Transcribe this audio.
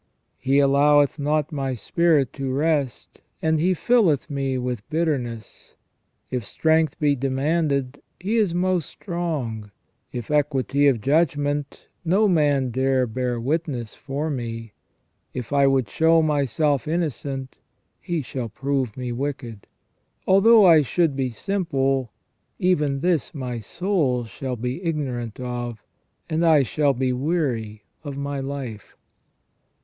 " He alloweth not my spirit to rest, and He fiUeth me with bitterness. If strength be demanded. He is most strong : if equity of judgment, no man dare bear witness for me : if I would show myself innocent, He shall prove me wicked. Although I should be simple, even this my soul shall be ignorant of, and I shall be weary of my life."